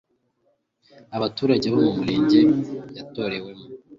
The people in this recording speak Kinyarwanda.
abaturage mu murenge yatorewemo